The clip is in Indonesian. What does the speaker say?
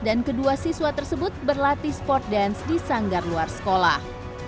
dan kedua siswa tersebut berlatih sport dance di sanggar luar sekolah